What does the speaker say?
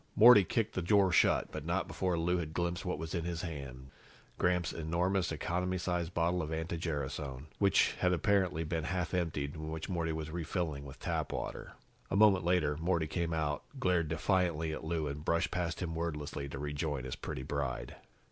Morty kicked the door shut, but not before Lou had glimpsed what was in his hand Gramps' enormous economy size bottle of anti gerasone, which had apparently been half emptied, and which Morty was refilling with tap water. A moment later, Morty came out, glared defiantly at Lou and brushed past him wordlessly to rejoin his pretty bride.